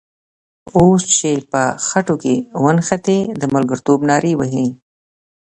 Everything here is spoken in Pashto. اوس چې په خټو کې ونښتې د ملګرتوب نارې وهې.